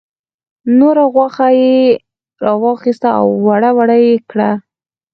نوره غوښه یې را واخیسته او وړه وړه یې کړه.